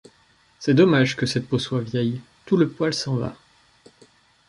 C’est dommage que cette peau soit vieille ; tout le poil s’en va.